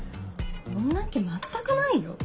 女っ気まったくないよ。